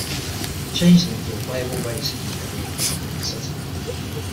Changelings are a playable race in the Eberron campaign setting.